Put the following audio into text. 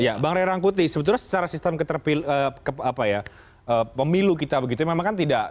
ya bang ray rangkuti sebetulnya secara sistem pemilu kita begitu memang kan tidak